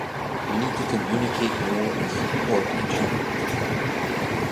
We need to communicate more and support each other.